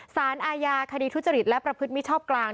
สารอาญาคดีทุจริตและประพฤติมิชชอบกลาง